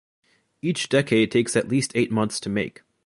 Each decade takes at least eight months to make.